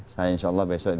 saya insya allah besok